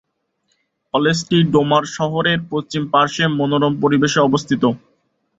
কলেজটি ডোমার শহরের পশ্চিম পার্শ্বে মনোরম পরিবেশে অবস্থিত।